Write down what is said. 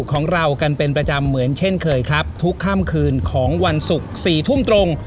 ของเรากันเป็นประจำเหมือนเช่นเคยครับทุกค่ำคืนของวันศุกร์๔ทุ่มตรง